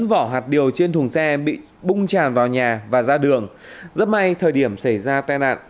bốn vỏ hạt điều trên thùng xe bị bung tràn vào nhà và ra đường rất may thời điểm xảy ra tai nạn